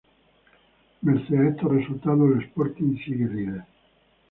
Merced a estos resultados el Sporting sigue líder.